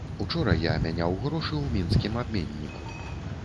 Учора я мяняў грошы ў мінскім абменніку.